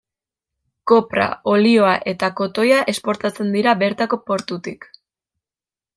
Kopra, olioa eta kotoia esportatzen dira bertako portutik.